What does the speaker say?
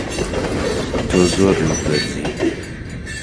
تۆ زۆر لووتبەرزی.